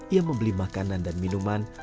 ia membeli makanan dan minuman